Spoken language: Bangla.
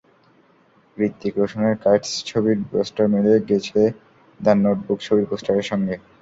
হৃতিক রোশনের কাইটস ছবির পোস্টার মিলে গেছে দ্য নোটবুক ছবির পোস্টারের সঙ্গে।